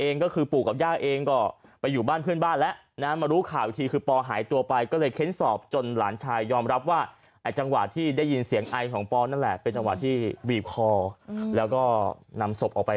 นำศพออกไปเผ่าทีนที่ป่านะครับค่ะอืม